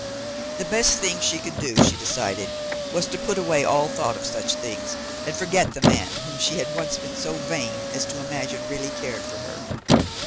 The best thing she could do, she decided, was to put away all thought of such things, and forget the man whom she had once been so vain as to imagine really cared for her.